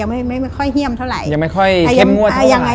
ยังไม่ค่อยเฮี่ยมเท่าไหร่ยังไม่ค่อยเท่มมั่วเท่าไหร่